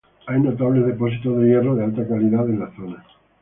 Hay notables depósitos de hierro de alta calidad en la zona.